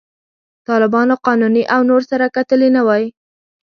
طالبانو، قانوني او نور سره کتلي نه وای.